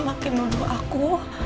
makin dulu aku